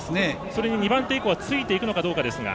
それに２番手以降はついていくのかどうかですが。